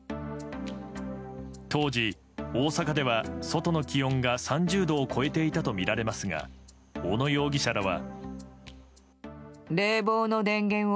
当時、大阪では外の気温が３０度を超えていたとみられますが小野容疑者らは。